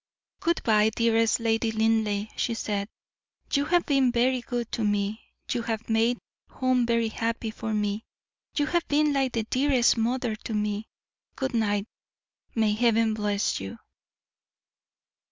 "Good bye, dearest Lady Linleigh," she said; "you have been very good to me; you have made home very happy for me; you have been like the dearest mother to me. Good night; may Heaven bless you!"